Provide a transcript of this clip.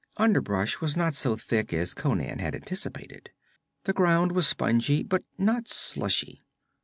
Underbrush was not so thick as Conan had anticipated. The ground was spongy but not slushy.